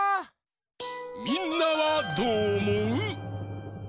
みんなはどうおもう？